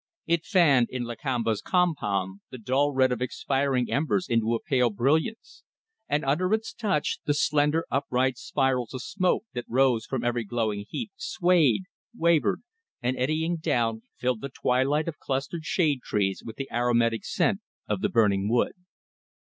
It fanned in Lakamba's campong the dull red of expiring embers into a pale brilliance; and, under its touch, the slender, upright spirals of smoke that rose from every glowing heap swayed, wavered, and eddying down filled the twilight of clustered shade trees with the aromatic scent of the burning wood.